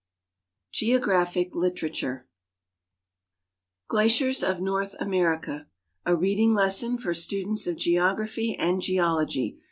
GEOGRAPHIC LITERATURE Glaciers of North America : A Reading Lesson for Students of Geography and Geology.